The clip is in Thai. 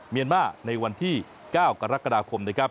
เมียนมาร์ในวันที่๙กรกฎาคมนะครับ